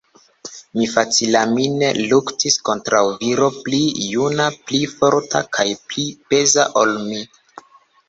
Mi facilanime luktis kontraŭ viro pli juna, pli forta kaj pli peza ol mi.